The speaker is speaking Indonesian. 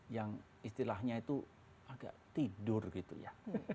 yang istilahnya itu agak tidur gitu ya